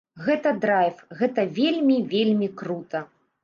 Гэта драйв, гэта вельмі, вельмі крута!